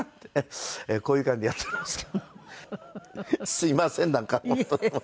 すいませんなんか本当にもう。